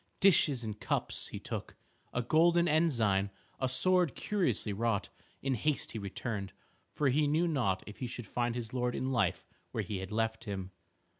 Dishes and cups he took, a golden ensign and a sword curiously wrought. In haste he returned, for he knew not if he should find his lord in life where he had left him.